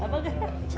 tokonya di apa gak